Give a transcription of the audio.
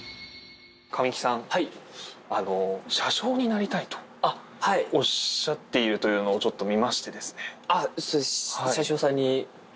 神木さん、車掌になりたいとおっしゃっているというのを、ちょっと見ましてそうです。